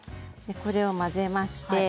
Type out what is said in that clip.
これを混ぜまして。